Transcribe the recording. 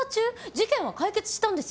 事件は解決したんですよね？